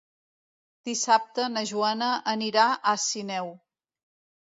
Dissabte na Joana anirà a Sineu.